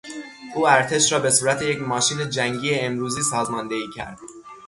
او ارتش را به صورت یک ماشین جنگی امروزی سازماندهی کرد.